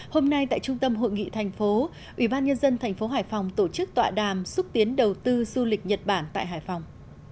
hôm nay tại trung tâm hội nghị thành phố ủy ban nhân dân thành phố hải phòng tổ chức tọa đàm xúc tiến đầu tư du lịch nhật bản tại hải phòng